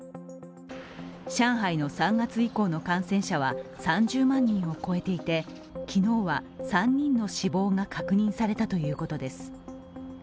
上海の３月以降の感染者は３０万人を超えていて昨日は３人の死亡が確認されたということです。